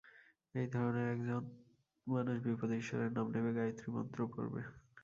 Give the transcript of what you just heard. এই ধরনের একজন মানুষ বিপদে ঈশ্বরের নাম নেবে, গায়ত্রী মন্ত্র পড়বে।